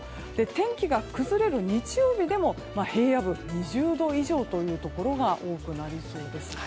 天気が崩れる日曜日でも平野部、２０度以上のところが多くなりそうです。